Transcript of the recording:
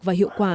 và hiệu quả